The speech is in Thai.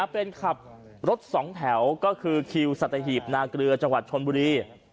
เป็นขับรถสองแถวก็คือคิวสัตหีบนาเกลือจังหวัดชนบุรี